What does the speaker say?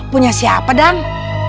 punya siapa dang